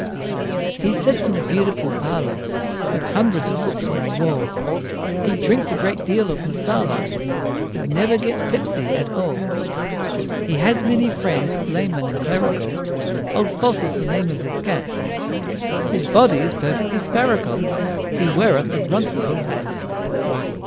He sits in a beautiful parlor, With hundreds of books on the wall; He drinks a great deal of Marsala, But never gets tipsy at all. He has many friends, lay men and clerical, Old Foss is the name of his cat; His body is perfectly spherical, He weareth a runcible hat.